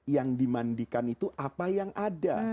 yang dimandikan itu apa yang ada